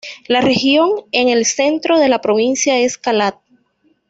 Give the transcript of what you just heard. La región en el centro de la provincia es Kalat.